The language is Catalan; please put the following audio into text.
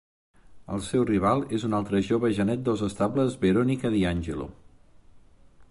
El seu rival és un altre jove genet dels estables Veronica DiAngelo.